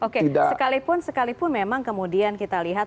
oke sekalipun sekalipun memang kemudian kita lihat